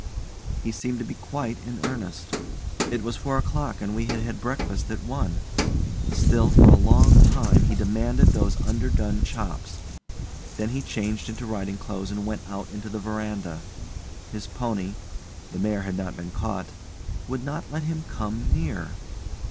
He seemed to be quite in earnest. It was four o'clock, and we had had breakfast at one; still, for a long time, he demanded those underdone chops. Then he changed into riding clothes and went out into the verandah. His pony the mare had not been caught would not let him come near.